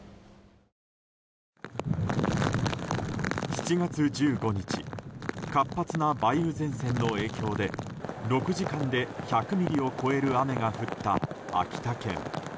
７月１５日活発な梅雨前線の影響で６時間で１００ミリを超える雨が降った秋田県。